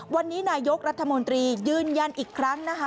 วันนี้นายกรัฐมนตรียืนยันอีกครั้งนะคะ